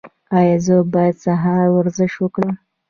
ایا زه باید سهار ورزش وکړم؟